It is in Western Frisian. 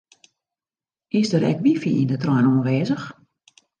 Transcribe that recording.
Is der ek wifi yn de trein oanwêzich?